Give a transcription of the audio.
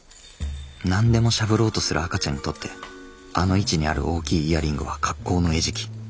何でもしゃぶろうとする赤ちゃんにとってあの位置にある大きいイヤリングは格好の餌食。